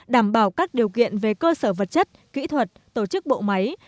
đảm bảo các điều kiện về cơ sở vật chất kỹ thuật tổ chức bộ máy